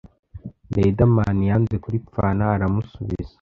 Riderman yanze kuripfana aramusubiza